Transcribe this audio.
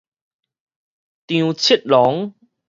張七郎